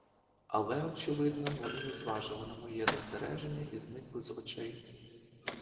Але, очевидно, вони не зважили на моє застереження і зникли з очей.